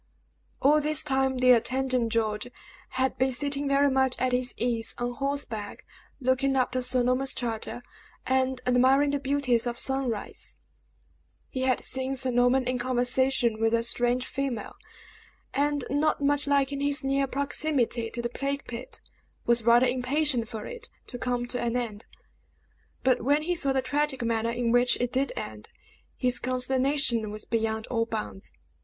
All this time, the attendant, George, had been sitting, very much at his ease, on horseback, looking after Sir Norman's charger and admiring the beauties of sunrise. He had seen Sir Norman in conversation with a strange female, and not much liking his near proximity to the plague pit, was rather impatient for it to come to an end; but when he saw the tragic manner in which it did end, his consternation was beyond all bounds.